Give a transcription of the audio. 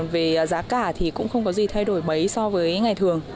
về giá cả thì cũng không có gì thay đổi mấy so với ngày thường